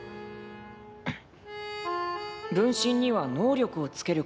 「分身には能力をつけることもできます。